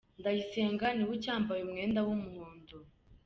Ndayisenga ni we ucyambaye umwenda w’umuhondo